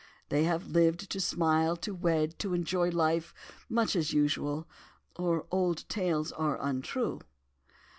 They have lived to smile, to wed, to enjoy life much as usual—or old tales are untrue.